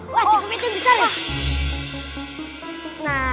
wah kepitnya besar ya